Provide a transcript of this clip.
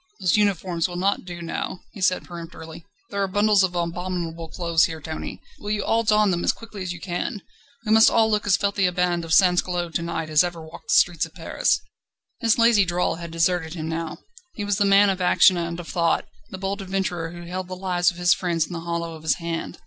"Those uniforms will not do now," he said peremptorily; "there are bundles of abominable clothes here, Tony. Will you all don them as quickly as you can? We must all look as filthy a band of sansculottes to night as ever walked the streets of Paris." His lazy drawl had deserted him now. He was the man of action and of thought, the bold adventurer who held the lives of his friends in the hollow of his hand.